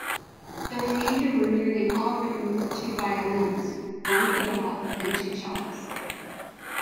The remainder were nearly all written for two violins, one viola, and two cellos.